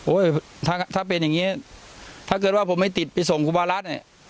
ถ้าถ้าเป็นอย่างนี้ถ้าเกิดว่าผมไม่ติดไปส่งครูบารัฐเนี่ย